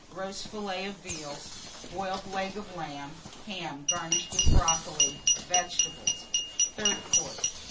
Roast Fillet of Veal. Boiled Leg of Lamb. Ham, garnished with Brocoli. Vegetables. THIRD COURSE.